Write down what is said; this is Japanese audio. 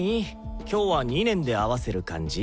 今日は２年で合わせる感じ？